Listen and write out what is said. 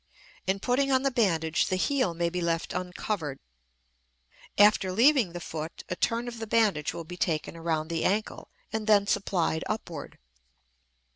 In putting on the bandage the heel may be left uncovered; after leaving the foot a turn of the bandage will be taken around the ankle and thence applied upward.